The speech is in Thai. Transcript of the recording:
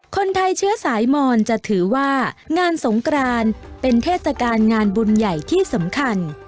คนไทยเชื้อสายมอนจะถือว่างานสงกรานเป็นเทศกาลงานบุญใหญ่ที่สำคัญ